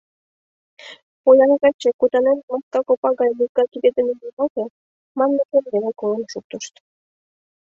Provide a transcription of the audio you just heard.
— Поян каче, кутанемым маска копа гай лузга кидет дене ниялте, — манмыжым веле колын шуктышт.